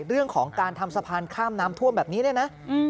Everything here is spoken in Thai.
เรื่องของการทำสะพานข้ามน้ำท่วมแบบนี้เนี่ยนะ